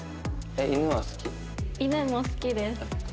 犬も好きです。